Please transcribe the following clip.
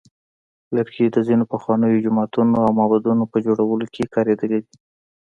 لرګي د ځینو پخوانیو جوماتونو او معبدونو په جوړولو کې کارېدلی دی.